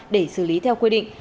để xử lý theo quy định